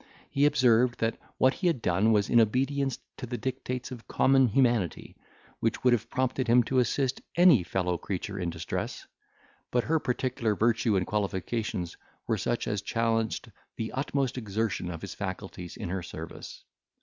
He observed, that what he had done was in obedience to the dictates of common humanity, which would have prompted him to assist any fellow creature in distress; but that her peculiar virtue and qualifications were such as challenged the utmost exertion of his faculties in her service.